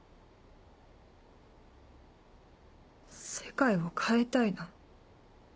世界を変えたいの。